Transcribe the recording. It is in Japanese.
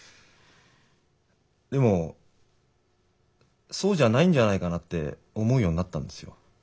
でもそうじゃないんじゃないかなって思うようになったんですよ。